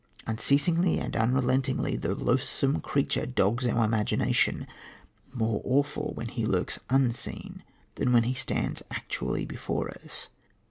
Unceasingly and unrelentingly the loathsome creature dogs our imagination, more awful when he lurks unseen than when he stands actually before us.